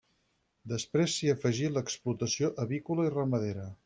Després s'hi afegí l'explotació avícola i ramadera.